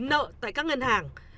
nợ tại các ngân hàng